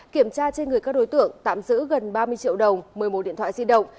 kiểm tra trên người các đối tượng tạm giữ gần ba mươi triệu đồng một mươi một điện thoại di động